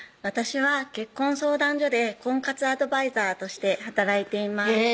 私は結婚相談所で婚活アドバイザーとして働いています